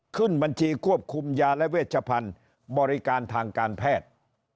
ขึ้นบัญชีควบคุมยาและเวชพันธุ์บริการทางการแพทย์